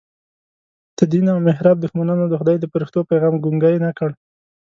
د دین او محراب دښمنانو د خدای د فرښتو پیغام ګونګی نه کړ.